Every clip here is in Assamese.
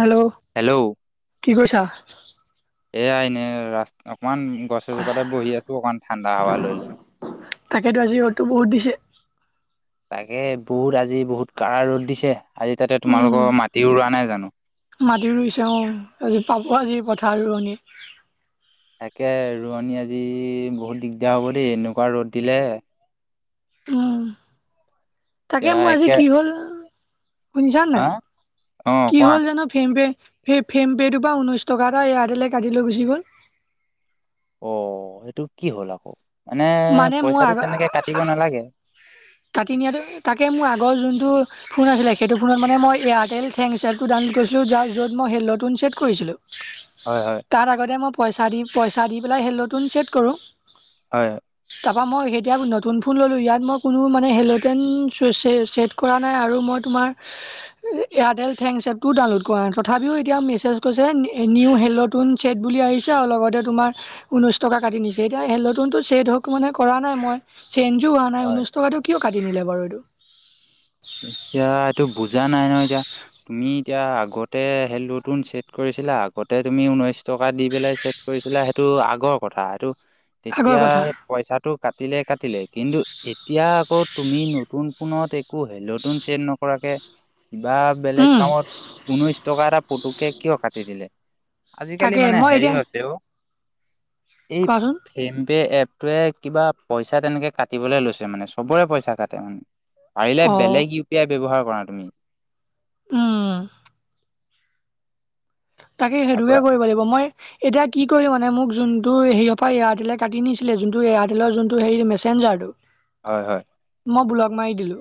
হেল্ল'! হেল্ল'! কি কৰিছা? এয়া এনে ৰাছ অকমান গছ এজোপাতে বহি আছো, অকমান ঠাণ্ডা হাৱা লৈ লৈ। তাকেতো আজি ৰ'দতো বহুত দিছে। তাকে, বহুত আজি বহুত কাৰা ৰ'দ দিছে। আজি তাতে উম, তোমালোকৰ মাটিও ৰোৱা নাই জানো? মাটি ৰুইছে অ। আজি পাব আজি পথাৰৰ ৰোৱনী। তাকে ৰোৱানী আজি বহুত দিগদাৰ হ'ব দেই, এনেকুৱা ৰ'দ দিলে। উম তাকে এতিয়া মোৰ একে আজি কি হ'ল? শুনিছানে হা নাই? অ কি কোৱা হ'ল জানা? ফেমপে, সেই ফেমপেটোৰ পৰা ঊনৈছ টকা এটা এয়াৰটেলে কাটি লৈ গুচি গ'ল। অ, সেইটো কি হ'ল আকৌ? মানে, মানে মোৰ পইচাটো আগ তেনেকে কাটিব নালাগে। কাটি নিয়াটো, তাকে মোৰ আগৰ যোনটো- ফোন আছিলে। সেইটো ফোনত মানে মই এয়াৰটেল থেংকছ এপটো ডাউনলোড কৰিছিলোঁ, যাৰ য'ত মই হেল্ল'টন ছেট কৰিছিলোঁ। [inaudible] হয়, হয়। তাত আগতে মই পইচা দি, পইচা দি পেলাই হেল্ল'টন ছেট কৰোঁ। হয়। তাৰপা মই এতিয়া নতুন ফোন ল'লো। ইয়াত মই কোনো মানে হেল্ল'টন ছ ছে ছেট- কৰা নাই আৰু মই তোমাৰ- এয়াৰটেল থেংকছ এপটো ডাউনলোড কৰা নাই। তথাপিও এতিয়া মেছেজ গৈছে নি নিউ হেল্ল'- নতুন ছেট বুলি আহিছে আৰু লগতে তোমাৰ ঊনৈছ টকা কাটি নিছে। এতিয়া হেল্ল'টনটো ছেট হওঁক- মানে কৰা নাই মই, চেঞ্জো হোৱা নাই, হয় ঊনৈশ টকাটো কিয় কাটি নিলে বাৰু এইটো? এতিয়া এইটো বুজা নাই নহয় এতিয়া। তুমি এতিয়া আগতে হেল্ল'টন ছেট কৰিছিলা, আগতে তুমি ঊনৈছ টকা দি পেলাই ছেট- কৰিছিলা সেইটো আগৰ কথা। সেইটো আগৰ কথা তেতিয়া- পইছাটো কাটিলে কাটিলে, কিন্তু এতিয়া আকৌ তুমি নতুন ফোনত এ- কো হেল্ল'টন ছেট নকৰাকে কিবা বেলেগ উম কামত- ঊনৈশ টকা এটা পুটুককে কিয় কাটি দিলে? আজিকালি তাকে মানে মই হেৰি এতিয়া হৈছে অ এই- কোৱাচোন ফেমপে এপটোৱে কিবা পইচা তেনেকে কাটিবলৈ লৈছে মানে, চবৰে পইছা কাটে অ। পাৰিলে অ বেলেগ ইউ পি আই ব্যৱহাৰ কৰা তুমি। উম তাকে তাৰ পৰা সেইটোকে কৰিব লাগিব মই এতিয়া কি কৰিম মানে, মোক যোনটো হেৰিয়ৰ পৰা এয়াৰটেলে কাটি নিছিলে, যোনটো এয়াৰটেলৰ যোনটো হেৰি মেচেঞ্জাৰটো। [inaudible] হয়, হয়। মই ব্লক মাৰি দিলো।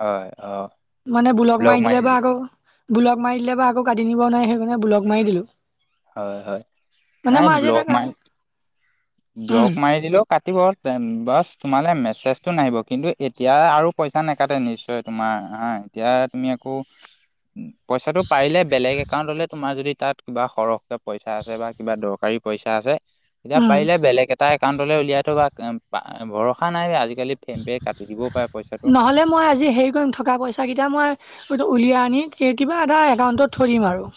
হয় অ। মানে ব্লক মাৰি দিলে বা আকৌ ব্লক মাৰি দিলে বা আকৌ কাটি নিব নোৱাৰে, সেইকাৰণে ব্লক মাৰি দিলো। হয়, হয়। মানে নাই মই আজি ব্লক এটা মাৰি উম ব্লক মাৰি দিলেও কাটিব, তেন বাচ তোমালৈ মেছেজটো নাহিব, কিন্তু এতিয়া আৰু পইচা নাকাটে নিশ্চয়। তোমাৰ হা এতিয়া তুমি আকৌ [inaudible] উম, পইছাটো পাৰিলে বেলেগ একাউণ্টলে তোমাৰ যদি তাত কিবা সৰহ কৈ পইছা আছে বা কিবা দৰকাৰী পইছা আছে, তেতিয়া উম পাৰিলে বেলেগ এ টাৰ একাউণ্টলে উলিয়াই থবা বা ভৰসা নাই অই আজিকালি ফেম পে কাটি দিবও পাৰে পইচাটো। নহ'লে মই আজি হেৰি কৰিম থকা পইচাকেইটা মই সেইটো উলিয়াই আনি কে কিবা এটা একাউণ্টত থৈ দিম আৰু।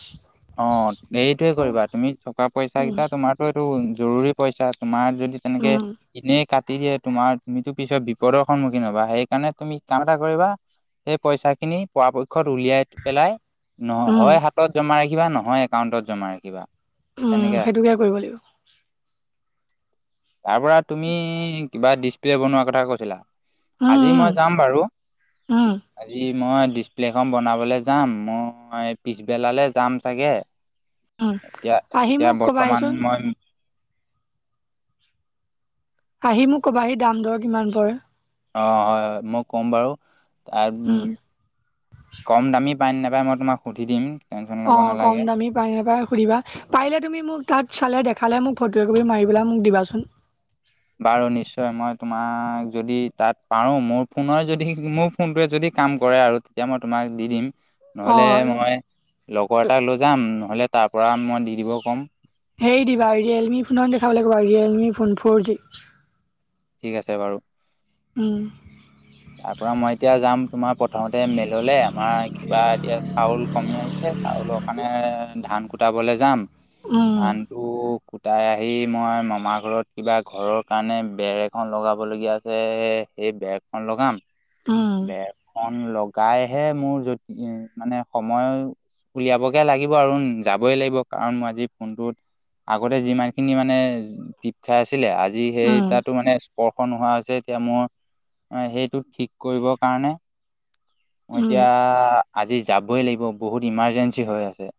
অ', এইটোৱে কৰিবা তুমি থকা উম পইচাকেইটা তোমাৰটো এইটো জৰুৰী পইচা তোমাৰ যদি এনেকে উম এনে কাটি দিয়ে তোমাৰ তুমিতো পিছত বিপদৰ সন্মুখীন হ'বা। সেইকাৰণে তুমি কাম এটা কৰিবা। সেই পইচাখিনি পৰাপক্ষত উলিয়াই পেলাই ন' উম হয় হাতত জমা ৰাখিবা নহয় একাউণ্টত জমা ৰাখিবা, উম তেনেকে সেইটোকে ৰাখিবা। কৰিব লাগিব তাৰপৰা তুমি কিবা ডিচপ্লে বনোৱাৰ কথা কৈছিলা? উম আজি উম মই যাম বাৰু উম আজি মই ডিচপ্লেখন বনাবলে যাম। মই পিছবেলালে যাম চাগে। উম এতিয়া আহি মোক এতিয়া বৰ্তমান কবাহিচোন মই আহি মোক কবাহি দাম দৰ কিমান পৰে। অ হয় হয়, মই ক'ম বাৰু। উম কম দামী পাইনে নাপায় মই তোমাক সুধি দিম। টেনশ্যন অ ল'ব কম নালাগে দামী বাহিৰৰ পৰা সুধিবা পাৰিলে তুমি মোক তাত চালে দেখালে মোক ফটো একপি মাৰি পেলাই মোক দিবাচোন। বাৰু নিশ্চয় মই তোমাক যদি তাত পাৰো মোৰ ফোনই যদি মোৰ ফোনটোয়ে যদি কাম কৰে আৰু তেতিয়া মই তোমাক দি দিম। নহ'লে অ মই লগৰ এটাক লৈ যাম নহ'লে তাৰ পৰা মই দি দিব কম। হেই দিবা ৰিয়েলমি ফোনত দেখাব লাগিব ৰিয়েলমি ফোন ফ'ৰ জি। ঠিক আছে বাৰু। উম। তাৰপৰা মই এতিয়া যাম তোমাৰ প্ৰথমতে মেললে আমাৰ কিবা এতিয়া চাউল কমি আহিছে। আৰু ল কাণে ধান কুটাবলে যাম। উম। ধানটো কুটাই আহি মই মামাৰ ঘৰত কিবা ঘৰৰ কাৰণে বেৰ এখন লগাবলগীয়া আছে সেই বেৰখন লগাম। উম বেৰখন উম লগাইহে মোৰ যদি মানে সময় উলিয়াবগে লাগিব আৰু উম, যাবই লাগিব কাৰণ মই আজি ফোনটোত আগতে যিমান খিনি মানে টিপ খাই আছিলে, আজি সেই উম তাতো মানে স্পৰ্শ নোহোৱা হৈছে। এতিয়া মোৰ সেইটো ঠিক কৰিব কাৰণে মই উম এতিয়া আজি যাবই লাগিব, বহুত ইমাৰ্জেঞ্চি হৈ আছে।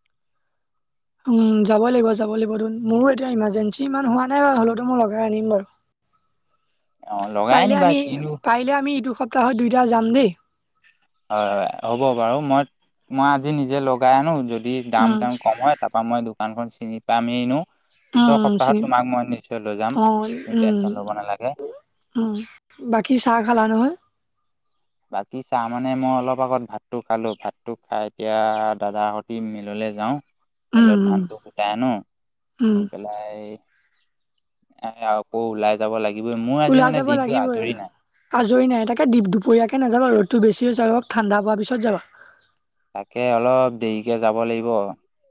উম, যাব লাগিব যাব লাগি [unintelligible] মোৰো এতিয়া ইমাৰ্জেঞ্চি ইমান হোৱা নাই বাও, হ'লেওতো মই লগাই আনিম বাৰু। অ লগাই পাৰিলে আনিবা আমি কিনো পাৰিলে আমি ইটো সপ্তাহত দুইটা যাম দেই। হয়, হয় হ'ব বাৰু। মই মই আজি নিজে লগাই আনো যদি দাম উম তাম কম হয় তাৰপা মই দোকানখন চিনি পামে এনেও। পিছৰ উম সপ্তাহত চিনি তোমাক মই নিশ্চয় লৈ যাম, অঁ তুমি উম টেনচন ল'ব নালাগে। উম বাকী চাহ খালা নহয়? বাকী চাহ মানে মই অলপ আগত ভাতটো খালোঁ, ভাতটো খাই এতিয়া দাদাহত টি মিললে যাওঁ। উম মেলত উম ধানটো কোটাই আনো, উম আনি পেলাই [unintelligible] আকৌ ওলাই যাব লাগিবই, মোৰ আজি ওলাই মানে যাব দিনটো লাগিবই আজৰি নাই। আজৰি নাই তাকে দিপ-দুপৰীয়াকে নাযাবা, ৰ'দটো বেছি হৈছে অলপ ঠাণ্ডা পৰা পিছত যাবা। তাকে অলপ দেৰিকে যাব লাগিব।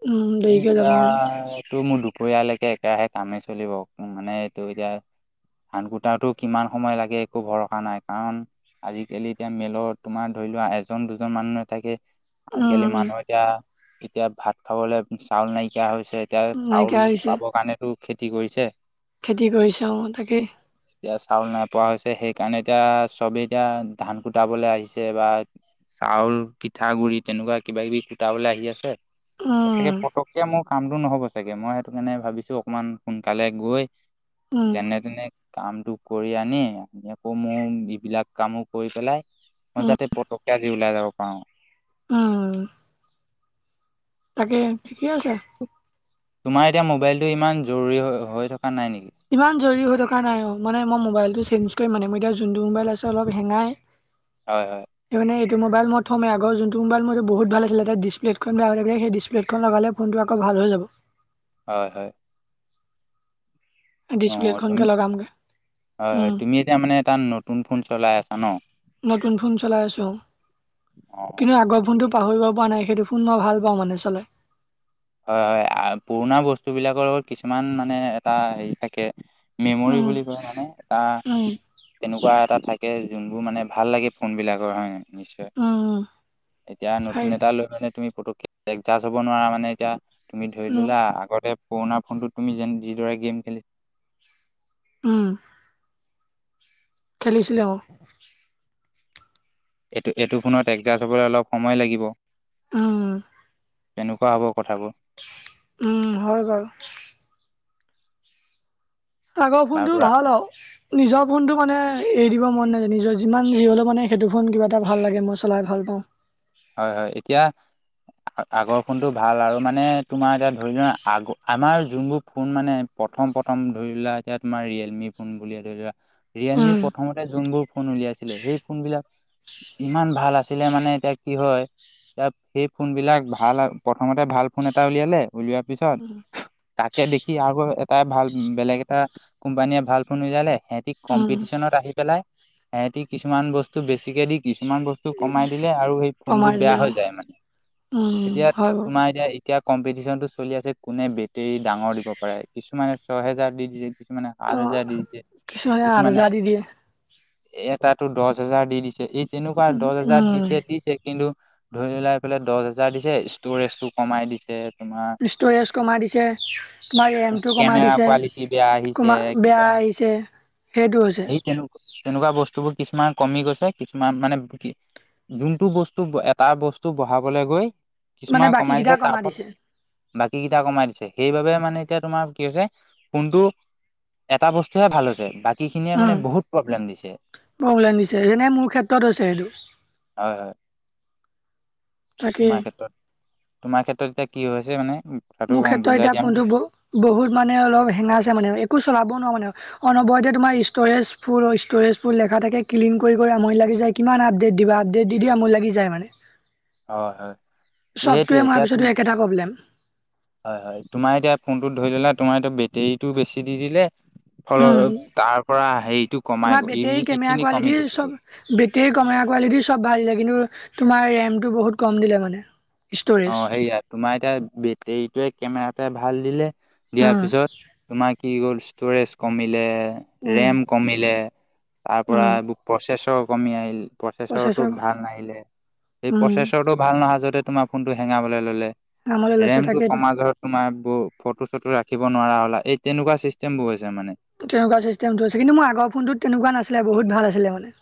উম দেৰিকে এতিয়া যাবা অলপ এইটো মোৰ দুপৰীয়ালৈকে একেৰাহে কামে চলিব, মানে এইটো এতিয়া ধান কোটাওতো কিমান সময় লাগে একো ভৰসা নাই। কাৰণ, আজিকালি এতিয়া মেলত তোমাৰ ধৰি লোৱা এজন দুজন মানুহে নাথাকে। আজিকালি উম মানুহ এতিয়া এতিয়া ভাত খাবলে চাউল নাইকিয়া হৈছে। এতিয়া চাউল নাইকিয়া হৈছে পাব কাৰণেতো খেতি কৰিছে। খেতি কৰিছে অ' তাকেই। এতিয়া চাউল নাইপোৱা হৈছে সেইকাৰণে এতিয়া চবেই এতিয়া ধান কুটাবলৈ আহিছে বা চাউল পিঠা গুৰি তেনেকুৱা কিবা-কিবি কোটাবলে আহি আছে, একে উম পটককে মই মোৰ কামটো নহ'ব চাগে মই সেইটো কাৰণে ভাবিছো অকমান সোনকালে গৈ উম যেনে তেনে কামটো কৰি আনি আ আকৌ মোৰ এইবিলাক কামো কৰি পেলাই মই উম যাতে পটককে আজি ওলাই যাব পাৰো। উম। তাকেহে ঠিকে আছে। তোমাৰ এতিয়া মোবাইলটো ইমান জৰুৰী হৈ থকা নাই নেকি? ইমান জৰুৰী হৈ থকা নাই, অ' মানে মই মোবাইলটো চেঞ্জ কৰিম মানে মোৰ এতিয়া যোনটো মোবাইল আছে অলপ হেঙাই। [inaudible] হয় হয়। সেইটো কাৰণে এইটো মোবাইল মই থম, আগৰ যোনটো মোবাইল মোৰ বহুত ভাল আছিলে তাৰ ডিছপ্লেট খন বেয়া থাকিলে সেই ডিছপ্লেটখন লগালে ফোনটো আকৌ ভাল হৈ যাব। হয় হয়। অ ডিছপ্লেট খনকে তুমি লগামগে। হয়, উম তুমি এতিয়া মানে এটা নতুন ফোন চলাই আছা ন। নতুন ফোন চলাই আছো, অ কিন্তু আগৰ ফোনটো পাহৰিব পৰা নাই সেইটো। ফোন মই ভাল পাওঁ মানে চলাই। হয় হয় পুৰণা বস্তু বিলাকৰ লগত কিছুমান মানে এটা হেৰি থাকে। মেমৰি উম বুলি কয় মানে এটা উম তেনেকুৱা এটা থাকে যোনবোৰ মানে ভাল লাগে ফোন বিলাকৰ। [unintelligible] নিশ্চয়, উম উম এতিয়া সেই নতুন এটা লৈ মানে তুমি পটককে একজাষ্ট হব নোৱাৰা মানে। এতিয়া তুমি ধৰি উম ললা আগতে পুৰণা ফোনতো তুমি যেন যিদৰে গেম খেলি উম। খেলিছিলে অহ। এইটো এইটো ফোনত এক্সজাষ্ট হবলৈ অলপ সময় লাগিব। উম। তেনেকুৱা হ'ব কথাবো। উম হয় বাও। আগৰ তাৰ ফোনটো পৰা ভাল আও। নিজৰ ফোনটো মানে এৰি দিব মন নাযায় নিজৰ যিমান হেৰি হ'লেও মানে সেইটো ফোন কিবা এটা ভাল লাগে মই চলাই ভাল পাওঁ। হয় হয় এতিয়া। আ আগৰ ফোনটো ভাল আৰু মানে তোমাৰ এতিয়া ধৰি লোৱা আগ আমাৰ যোনবোৰ ফোন মানে। প্ৰথম প্ৰথম ধৰি লোৱা এতিয়া তোমাৰ ৰিয়েলমি ফোন বুলিয়ে ধৰি লোৱা। ৰিয়েলমি উম প্ৰথমতে যোনবোৰ ফোন উলিয়াইছিলে সেই ফোনবিলাক। ইমান ভাল আছিলে মানে এতিয়া কি হয়। এ সেই ফোন বিলাক ভাল আও প্ৰথমতে ভাল ফোন এটা উলিয়ালে উলিওৱাৰ পিছত। তাকে দেখি আৰু এটাই ভাল বেলেগ এটা। কোম্পানীয়ে ভাল ফোন উলিয়ালে সিহঁতি উম কম্পিটিচনত আহি পেলাই। হেতি কিছুমান বস্তু বেছিকে দি কিছুমান বস্তু কমাই দিলে আৰু সেই। ফোনবোৰ কমাই বেয়া দিলে অ হৈ যায় মানে উম এতিয়া হয় বাৰু তোমাৰ এতিয়া। এতিয়া কম্পিটিচন টো চলি আছে কোনে বেটেৰ ডাঙৰ দিব পাৰে কিছুমানে ছয়হেজাৰ দি দিছে কিছুমানে। অ আঠহেজাৰ দি দিছে আঠ কিছুমানে। হাজাৰ দি দিয়ে এটাতো দহ হোজাৰ দি দিছে এই তেনেকুৱা দহ হোজাৰ উম দিছে দিছে। কিন্তু ধৰি লোৱা এইফালে দহ হাজাৰ দিছে ষ্টৰেজ টো কমাই দিছে। তোমাৰ ষ্টৰেজ কমাই দিছে তোমাৰ ৰেমটো কমাই কেমেৰা দিছে। কোৱালিটি বেয়া আহিছে কমা বেয়া আহিছে সেইটো হৈছে। তেনো তেনেকুৱা বস্তুবোৰ কিছুমান কমি গৈছে কিছুমান মানে কি। যোনটো বস্তু এটা বস্তু বঢ়াবলৈ গৈ মানে কিছুমান বাকী কমাই কেইটা দিছে! তাৰ ফল। বাকী কেইটা কমাই দিছে! সেইবাবে মানে এতিয়া তোমাৰ কি হৈছে! কোনটো? এটা বস্তুহে ভাল হৈছে! বা। কীখিনিয়ে মানে উম বহুত প্ৰব্লেম দিছে! প্ৰব্লেম দিছে যেনে মোৰ ক্ষেত্ৰত হৈছে সেইটো হয়' হয়! তাকেই মাৰ্কেটত মাৰ্কেট এতিয়া কি হৈছে মানে? কথাটো মোৰ গম ক্ষেত্ৰত বুজাই এতিয়া দিয়া ফোনতটো ব বহুত মানে অলপ হেঙাইছে! মানে একো চলাব নোৱাৰো মানে? অনবৰতে তোমাৰ ষ্ট'ৰেজ ফোল ষ্ট'ৰেজ ফোল দেখাই থাকে! ক্লিন কৰি কৰি আমনি লাগি যায়! কিমান আপডেট দিবা! আপডেট দি দি আমনি লাগি যায় মানে? হয় হয় সেইটোৱে চফটোৱেৰ মৰা এতিয়া তুম পিছতো একেটা প্ৰব্লেম! হয়' হয়! তোমাৰ এতিয়া ফোনটো ধৰি ললা তোমাৰ এতিয়া বেটেৰীটো বেছি দি দিলে! উম ফলত তাৰ পৰা সে‌ইটো‌ কমাই ই ই খিনি কমি গুচি গল‌। বেটেৰীৰ কেমেৰা কোৱালিটি চব ভাল দিলে! কিন্তু তোমাৰ ৰেমটো বহুত কম দিলে মানে? ষ্ট'ৰেজ অহ' সেয়া তোমাৰ এতিয়া বেটেৰীটোৱে কেমেৰাতে ভাল দিলে! দিয়াৰ উম পিছত। তোমাৰ কি হ'ল ষ্টৰেজ কমিলে উম ৰেম কমিলে! তাৰ পৰা উম ব। প্ৰচেছৰ কমি আহিল! প্ৰচেছৰটো প্ৰচেছৰ ভাল নাহিলে? সেই উম প্ৰচেছৰটো। ভাল নহয় যদি ‌তোমাৰ ফোনতো হেঙাৱ ললে নামলৈ লৈছে ৰেমটো তাকেইতো কমা। তোমাৰ ব ফটো চটো ৰাখিব নোৱাৰা হ'লা! এই তেনেকুৱা চিষ্টেম বোৰ হৈছে মানে? তেনেকুৱা চিষ্টেমটো থৈছে! কিন্তু মোৰ আগৰ ফোনটো তেনেকুৱা নাছিলে! বহু ভাল আছিলে মানে।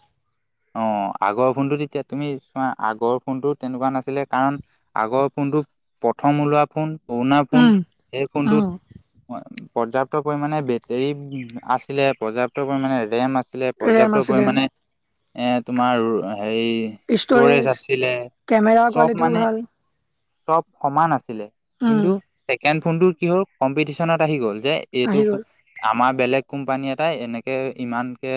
অহ', আগৰ ফোনটো তেতিয়া তুমি চোৱা? আগৰ ফোনটো তেনেকুৱা নাছিলে কাৰণ। আগৰ ফোনটো প্ৰথম ওলোৱা ফোন! পোৰণা ফোন উম সেই উম। ফোনটোত পৰ্যাপ্ত পৰিমাণে বেটেৰী আছিলে, পৰ্যাপ্ত পৰিমাণে ৰেম আছ আছিলে ৰেম পৰ্যাপ্ত আছিলে পৰিমাণে এ তোমাৰ হেৰি ষ্টৰেজ আছিলে কেমেৰা চব কোৱালিটিও মানে? ভাল চব সমান আছিলে, উম কিন্তু ছেকেণ্ড ফোনটোৰ কি হ'ল কম্পিটিচনত আহি গ'ল যে এইটো আহি গ'ল আমাৰ বেলেগ কোম্পানী এটাই এনেকে ইমানকে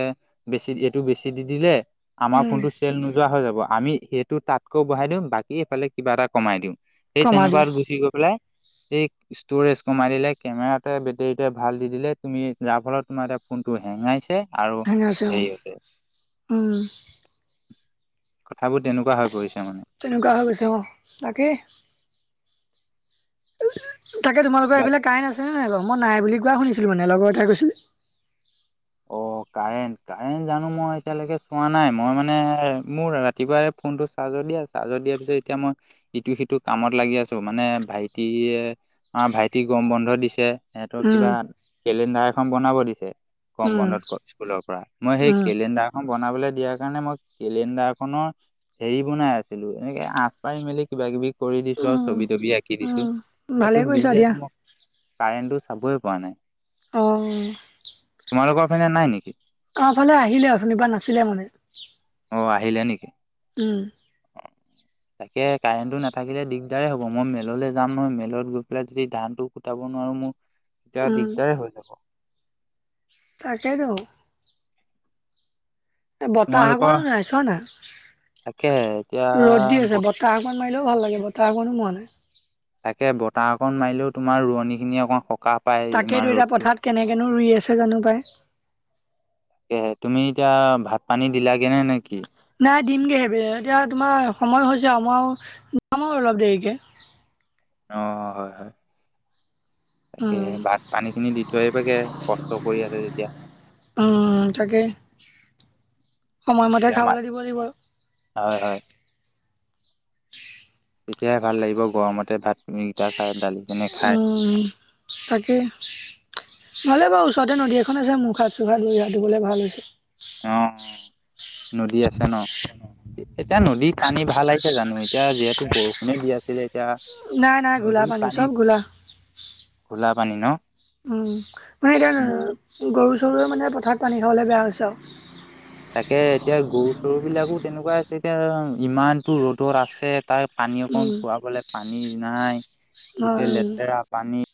বেছি এইটো বেছি দি দিলে আমাৰ ফোন টো চেল নোযোৱা হৈ যাব আমি সেইটো তাতকৈ বহাই দিওঁ বাকী সেইফালে কিবা এটা কমাই দিওঁ, সেই কমা দি তেনেকুৱাত গুচি গৈ পেলাই সেই ষ্ট'ৰেজ কমাই দিলে কেমেৰাটোৱে বেটেৰীটোৱে ভাল দি দিলে, তুমি যাৰ ফলত তোমাৰ এতিয়া ফোনটো হেঙাইছে আৰু হেঙাইছে হেৰি হৈছে অ উম কথাবোৰ তেনেকুৱা হৈ পৰিছে মান তেনেকুৱা হৈ গৈছে অ' তাকেই তাকে তোমালোকৰ সেইফালে কাৰেন্ট আছে নে নাই বাও? মই নাই বুলি কোৱা শুনিছিলোঁ মানে লগৰ এটাই কৈছিলে অ', [inaudible] কাৰেণ্ট কাৰেণ্ট জানো মই এতিয়ালৈকে চোৱা নাই মই মানে মোৰ ৰাতিপুৱাই ফোনটো চাৰ্জত দিয়া চাৰ্জত দিয়াৰ পিছত এতিয়া মই ইটো সিটো কামত লাগি আছো মানে ভাইটিয়ে আমাৰ ভাইটিক গম বন্ধ দিছে সিহতৰ উম কিবা কেলেণ্ডাৰ এখন বনাব দিছে গম উম বন্ধত ঘত স্কুলৰ পৰা মই সেই উম কেলেণ্ডাৰখন বনাবলে দিয়াৰ কাৰণে মই কেলেণ্ডাৰ খনৰ হেৰি বনাই আছিলো, এনেকে আচ পাৰি মেলি কিবা কিবি কৰি দিছো আৰু উম ছবি তবি আঁকি দিছো। উম ভালে সেইটোত কৰিছা বিজি দিয়া আছো মই কাৰেণ্টটো চাবই পৰা নাই অহ তোমালোকৰ পিনে নাই নেকি? আমাৰ ফালে আহিলে অথনি পৰা নাছিলে মানে অ', আহিলে নেকি? উম তাকে কাৰেণ্টটো নাথাকিলে দিগদাৰে হ'ব মই মিললৈ যাম নহয়, মিলত গৈ পেলাই যদি ধানটো কুটাব নোৱাৰো মোৰ এতিয়া উম দিগদাৰে হৈ যাব তাকে টো বতাহ তোমালোকৰ অকণমানো নাই চোৱা নাই, তাকে এতিয়া ৰ'দ দি ব আছে বত বতাহ অকণ মাৰিলেও ভাল লাগে বতাহ অকনো মৱা নাই তাকে বতাহ অকণ মাৰিলেও তোমাৰ ৰোৱনী খিনি অকণমান সকাহ পায় তাকে ইমান টো এতিয়া ৰ'দটোত পথাৰত নো কেনেকেনো ৰুই আছে জানো পাই তাকে তুমি এতিয়া ভাত পানী দিলাগে নে নেকি নাই দিমগেহে সেইব এতিয়া তোমাৰ সময় হৈছে আও মই আও যাম আৰু অলপ দেৰিকে অ হয় হয় উম তাকেহে ভাত পানী খিনি দি থৈ আহিবা গে কষ্ট কৰি আছে যেতিয়া উম তাকেই সময়মতে এতিয়া মাত খাবলে দিব লাগিব আৰু হয় হয় তেতিয়াহে ভাল লাগিব গৰমতে ভাত উম তাকে নহ'লে বাৰু ওচৰতে নদী এখন আছে মুখ হাত চুক হাত ভৰি হাত ধুবলে ভাল হৈছে অ নদী আছে ন এতিয়া নদীত পানী ভাল আহিছে জানো এতিয়া যিহেতু বৰষুণে দি আছিলে এতিয়া নাই নাই ঘোলা নদীৰ পানী চব ঘোলা ঘোলা পানী ন উম মানে উম এতিয়া গৰু চৰুৰে মানে পথাৰত পানী খাবলে বেয়া হৈছে আও তাকে এতিয়া গৰু চৰু বিলাকো তেনেকুৱা এতিয়া ইমানতো ৰ'দত আছে। তাৰ পানী অকণ উম খোৱা বলে পানী নাই গোটেই হয় লেতেৰা পানী